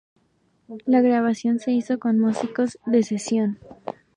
La grabación se hizo con músicos de sesión.